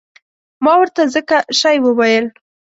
ما ورته ځکه شی وویل.